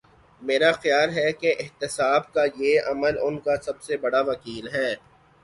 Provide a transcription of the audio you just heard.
میرا خیال ہے کہ احتساب کا یہ عمل ان کا سب سے بڑا وکیل ہے۔